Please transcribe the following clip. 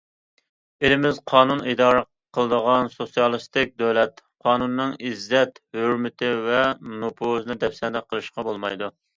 ئېلىمىز قانۇن ئىدارە قىلىدىغان سوتسىيالىستىك دۆلەت، قانۇننىڭ ئىززەت- ھۆرمىتى ۋە نوپۇزىنى دەپسەندە قىلىشقا بولمايدۇ.